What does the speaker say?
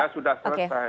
ketika sudah selesai